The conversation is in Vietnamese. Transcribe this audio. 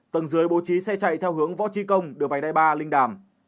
tầng dưới bố trí xe chạy theo hướng võ trí công đường vành đai ba linh đàm